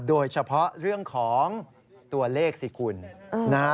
โดยเฉพาะเรื่องของตัวเลขสิคุณนะฮะ